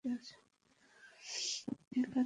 এর কারণে অনেকেই ক্ষতিগ্রস্থ হয়েছে।